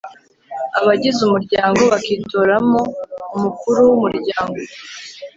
abagize Umuryango bakitoramo Umukuru wumuryango